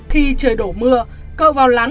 khi trời đổ mưa cỡ vào lán